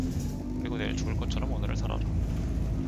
그리고 내일 죽을 것처럼 오늘을 살아라.